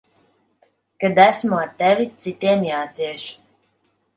Kad esmu ar tevi, citiem jācieš.